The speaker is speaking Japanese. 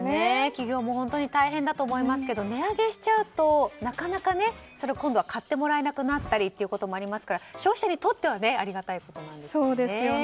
企業も大変だと思いますけど値上げしちゃうとなかなかそれを今度は買ってもらえなくなったりということもありますから消費者にとってはありがたいことですよね。